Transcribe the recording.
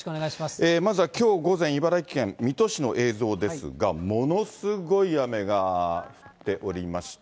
まずはきょう午前、茨城県水戸市の映像ですが、ものすごい雨が降っておりました。